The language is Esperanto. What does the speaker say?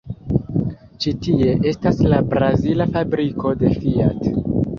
Ĉi tie estas la brazila fabriko de Fiat.